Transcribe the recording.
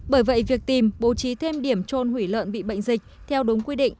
bởi vậy việc tìm bố trí thêm điểm trôn hủy lợn bị bệnh dịch theo đúng quy định